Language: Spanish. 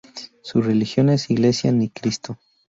Su religión es Iglesia Ni Cristo.